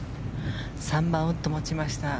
３番ウッド持ちました。